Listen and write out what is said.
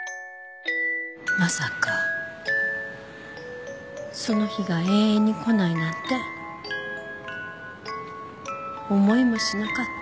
まさかその日が永遠に来ないなんて思いもしなかった。